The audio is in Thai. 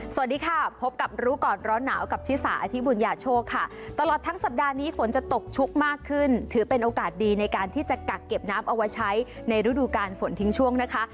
สวัสดีค่ะพบกับรู้ก่อนร้อนหนาวกับชิสาอธิบุญญาโชคค่ะตลอดทั้งสัปดาห์นี้ฝนจะตกชุกมากขึ้นถือเป็นโอกาสดีในการที่จะกักเก็บน้ำเอาไว้ใช้ในฤดูการฝนทิ้งช่วงนะคะ